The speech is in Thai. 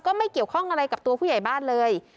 ไม่เกี่ยวข้องอะไรกับตัวผู้ใหญ่บ้านเลย